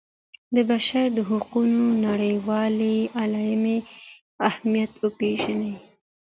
د بشر د حقونو نړیوالې اعلامیې اهمیت وپيژني.